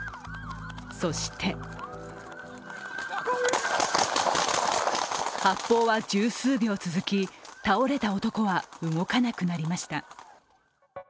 そして発砲は十数秒続き、倒れた男は動かなくなりました。